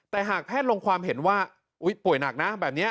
แต่หากแพทย์ลงความเห็นว่าป่วยหนักนะแบบนี้